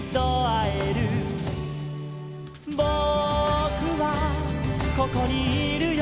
「ぼくはここにいるよ」